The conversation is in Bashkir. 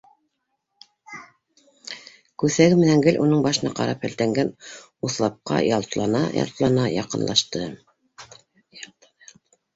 Күҫәге менән гел уның башына ҡарап һелтәнгән уҫлапҡа ялтана-ялтана, яҡынлашты